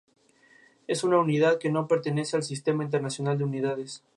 Es una unidad que no pertenece al Sistema Internacional de Unidades.